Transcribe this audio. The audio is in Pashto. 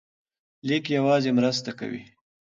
لیک یوازې مرسته کوي.